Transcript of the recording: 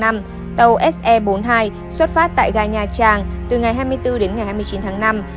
tàu se bốn mươi hai xuất phát tại gà nhà tràng từ ngày hai mươi bốn đến ngày hai mươi sáu